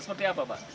seperti apa pak